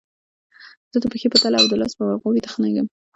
زه د پښې په تله او د لاس په ورغوي تخږم